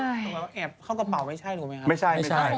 แอบเข้ากระเป๋าไม่ใช่ถูกไหมครับ